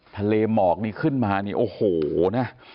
ทะเลหมอกนี่ขึ้นมานี่โอ้โหนะ